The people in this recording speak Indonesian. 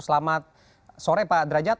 selamat sore pak derajat